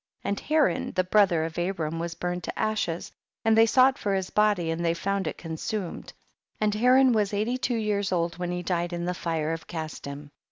36. xlnd Haran the brother of Abram was burned to ashes, and they sought for his body and they found it consumed. 37. And Haran was eighty two years old when he died in the fire of "Casdim.